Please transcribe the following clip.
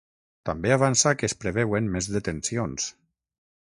També avança que es preveuen més detencions.